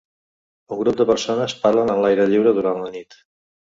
Un grup de persones parlen a l'aire lliure durant la nit.